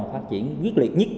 phát triển quyết liệt nhất